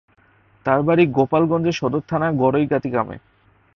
তাঁর বাড়ি গোপালগঞ্জের সদর থানার গড়ইগাতী গ্রামে।